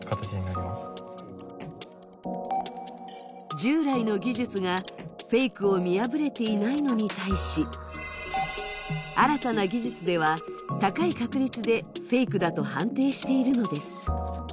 従来の技術がフェイクを見破れていないのに対し、新たな技術では、高い確率でフェイクだと判定しているのです。